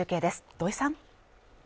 土居さん。